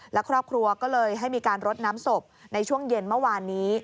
และครอบครัวก็เลยให้มีการรดน้ำศพในช่วงเย็นเมื่อวานนี้